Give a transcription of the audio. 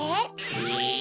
え？